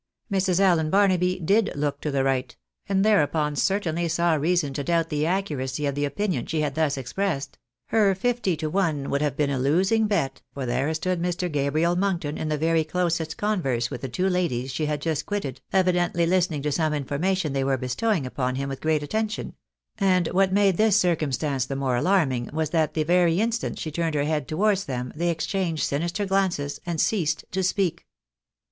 ]\Irs. Allen Barnaby did look to the right, and thereupon cer tainly saw reason to doubt the accuracy of the opinion she had thus expressed ; her fifty to one would have been a losing bet, for there stood Mr. Gabriel Monkton in the very closest converse with the two ladies she had just quitted, evidently listening to some inform ation they were bestowing upon him with great attention ; and what made this circumstance the more alarming, was that the very instant she turned her head towards them, they exchanged sinister glances, and ceased to speak.